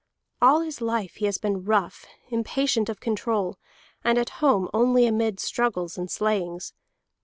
All his life he has been rough, impatient of control, and at home only amid struggles and slayings.